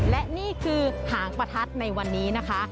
และนี่คือหางประทัดในวันนี้นะคะ